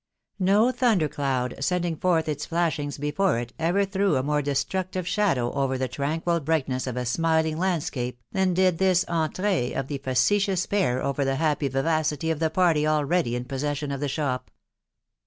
No thunder cloud, sending forth its flashings before it, ever threw a more destructive shadow over the tranquil brightness of a smiling landscape, than did this entree of the facetious pair over the happy vivacity of the party already in possession of the shop.